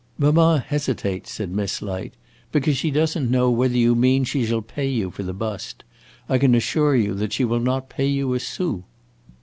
"Mamma hesitates," said Miss Light, "because she does n't know whether you mean she shall pay you for the bust. I can assure you that she will not pay you a sou."